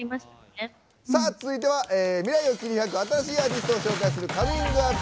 続いては、未来を切り開く新しいアーティストを紹介する「ＣｏｍｉｎｇＵｐ！」。